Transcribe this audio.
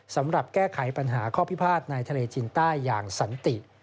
สำหรับแก้ไขปัญหาข้อพิพาทในทะเลจีนใต้อย่างสันติ